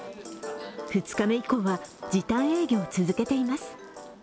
２日以降は時短営業を続けています。